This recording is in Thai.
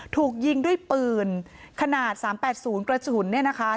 ถูกยิงด้วยปืนขนาดสามแปดศูนย์กระสุนเนี้ยนะคะ